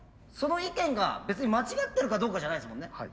その意見が別に間違ってるかどうかじゃないんですもんね。